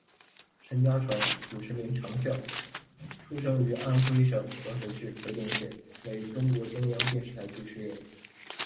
陈家传，主持名长啸，出生于安徽省合肥市肥东县，为中国中央电视台主持人。